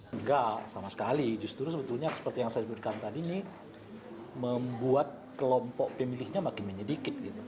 enggak sama sekali justru sebetulnya seperti yang saya sebutkan tadi ini membuat kelompok pemilihnya makin menyedikit gitu